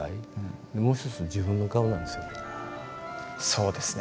そうですね。